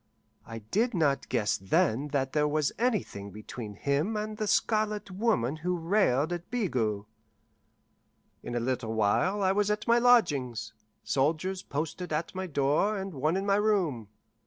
I did not guess then that there was anything between him and the Scarlet Woman who railed at Bigot. In a little while I was at my lodgings, soldiers posted at my door and one in my room.